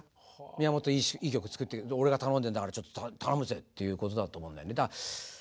宮本いい曲作って俺が頼んでんだからちょっと頼むぜっていうことだと思うんだよね。